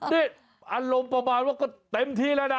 นี่อารมณ์ประมาณว่าก็เต็มที่แล้วนะ